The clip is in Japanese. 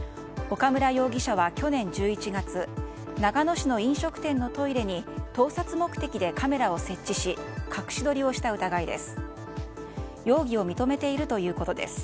岡村容疑者は去年１１月長野市の飲食店のトイレに盗撮目的でカメラを設置し隠し撮りをした疑いです。